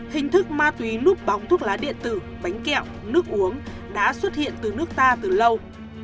hình thức ma túy núp bóng thuốc lá điện tử bánh kẹo nước uống đã xuất hiện từ nước ta từ lâu